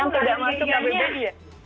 kalau menurut aku